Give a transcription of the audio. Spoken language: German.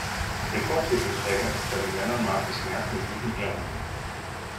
Rekordtitelträger ist bei den Männern Markus Merk mit sieben Ehrungen.